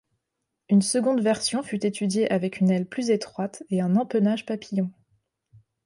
Une seconde version fut étudiée avec une aile plus étroite et un empennage papillon.